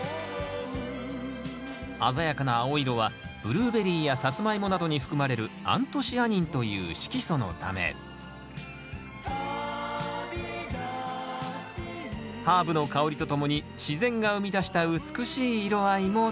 鮮やかな青色はブルーベリーやサツマイモなどに含まれるアントシアニンという色素のためハーブの香りとともに自然が生み出した美しい色合いも楽しめます